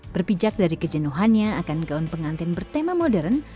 berpijak dari kejenuhannya akan gaun pengantin bertema modern